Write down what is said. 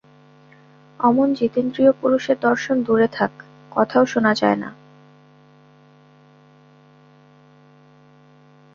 অমন জিতেন্দ্রিয় পুরুষের দর্শন দূরে থাক, কথাও শোনা যায় না।